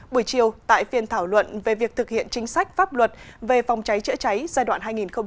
buổi chiều tại phiên thảo luận về việc thực hiện chính sách pháp luật về phòng cháy chữa cháy giai đoạn hai nghìn một mươi bốn hai nghìn một mươi tám